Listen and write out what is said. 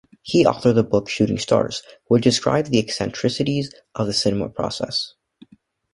He authored the book "Shooting Stars" which described the eccentricities of the cinema process.